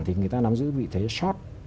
thì người ta nắm giữ vị thế short